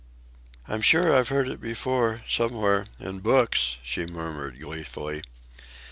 "I'm sure I've heard it before, somewhere, in books," she murmured gleefully.